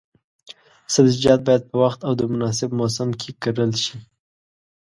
سبزیجات باید په وخت او د مناسب موسم کې کرل شي.